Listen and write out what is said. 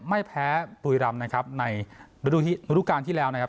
ไม่แพ้บุรีรำนะครับในฤดูการที่แล้วนะครับ